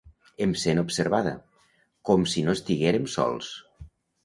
Em sent observada, com si no estiguérem sols...